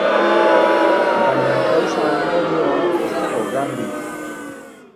Baina kausa-ondorioa ez dago garbi.